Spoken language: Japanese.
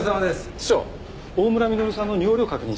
師長大村稔さんの尿量確認したいんですが。